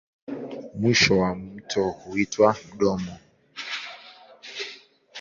Mwisho wa mto huitwa mdomo.